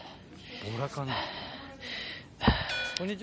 ボラかな？